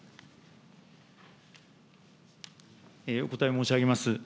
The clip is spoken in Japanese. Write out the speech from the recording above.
お答え申し上げます。